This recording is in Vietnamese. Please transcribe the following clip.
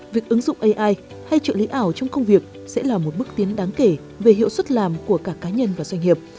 việc ứng dụng ai hay trợ lý ảo trong công việc sẽ là một bước tiến đáng kể về hiệu suất làm của cả cá nhân và doanh nghiệp